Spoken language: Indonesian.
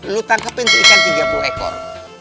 lo tangkepin tu ikan tiga puluh ekor